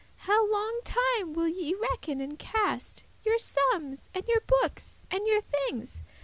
How longe time will ye reckon and cast Your summes, and your bookes, and your things?